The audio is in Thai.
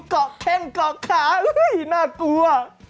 กรอกเข้งกรอกขาน่ากลัว